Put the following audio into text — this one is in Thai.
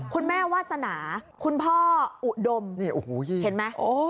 คุณแม่วาสนาคุณพ่ออุดมเห็นไหม